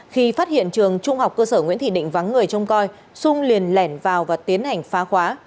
khi phát hiện trường trung học cơ sở nguyễn thị định vắng người trông coi sung liền lẻn vào và tiến hành phá khóa